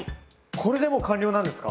これでもう完了なんですか？